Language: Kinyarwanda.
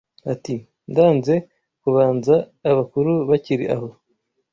Ati: ndanze kubanza Abakuru bakili aho